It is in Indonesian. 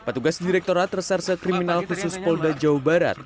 petugas direkturat reserse kriminal khusus polda jawa barat